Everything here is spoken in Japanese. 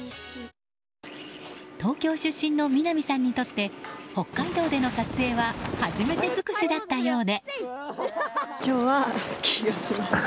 東京出身の南さんにとって北海道での撮影は初めて尽くしだったようで。